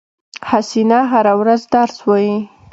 حسینه هره ورځ درس وایی